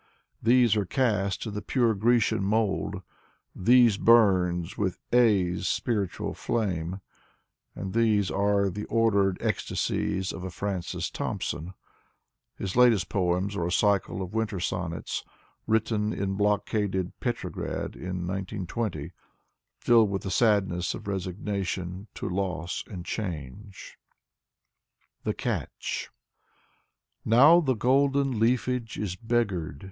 These are cast in the pure Grecian mold, these burn with " J^ " 's spiritual flame, and these are the ordered ecstasies of a Francis Thompson. His latest poems are a cycle of Winter Sonnets — written in blockaded Petrograd in 1920— filled with the sadness of resignation to loss and change. 98 Vyacheslav Ivanov 99 THE CATCH Now the golden leafage is beggared.